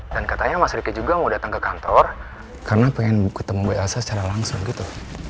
katanya mas riki juga mau datang ke kantor karena pengen ketemu bu elsa secara langsung gitu